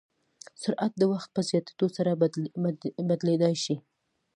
سرعت د وخت په زیاتېدو سره بدلېدای شي.